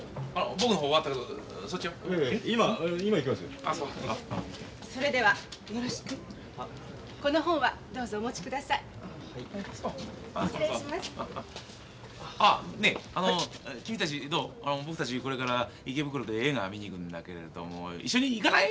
僕たちこれから池袋で映画見に行くんだけれども一緒に行かない？